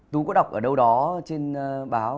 tú có đọc ở đâu đó trên báo